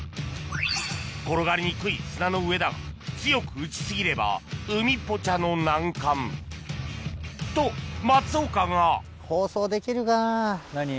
転がりにくい砂の上だが強く打ち過ぎれば海ぽちゃの難関と松岡が何？